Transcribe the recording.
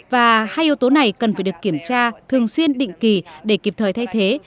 và hai yếu tố này cần phải được kiểm tra thường xuyên định kỳ để kịp thời thay thế